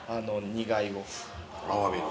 アワビの？